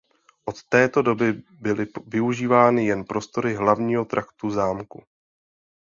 Od této doby byly využívány jen prostory hlavního traktu zámku.